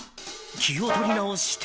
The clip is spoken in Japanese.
気を取り直して。